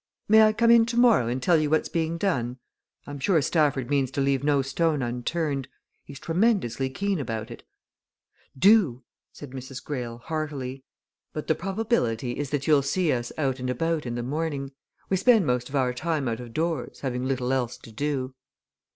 "May I come in tomorrow and tell you what's being done? I'm sure Stafford means to leave no stone unturned he's tremendously keen about it." "Do!" said Mrs. Greyle, heartily. "But the probability is that you'll see us out and about in the morning we spend most of our time out of doors, having little else to do."